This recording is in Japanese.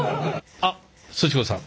あっすち子さん。